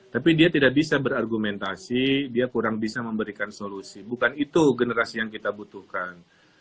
tapi dia tidak bisa berargumentasi dia kurang bisa memberikan solusi bukan itu generasi yang kita butuhkan